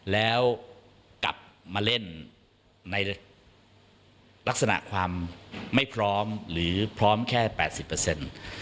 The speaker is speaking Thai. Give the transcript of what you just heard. แล้วกลับมาเล่นในลักษณะความไม่พร้อมหรือพร้อมแค่แปดสิบเปอร์เซ็นต์